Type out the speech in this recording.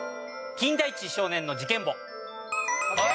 『金田一少年の事件簿』。